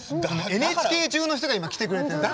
ＮＨＫ中の人が今来てくれてるのよ。